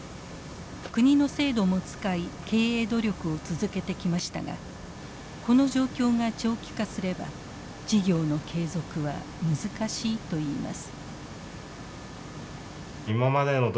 国の制度も使い経営努力を続けてきましたがこの状況が長期化すれば事業の継続は難しいといいます。